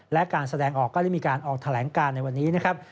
และการแสดงออกก็ได้มีการออกแถลงการในวันนี้นะครับ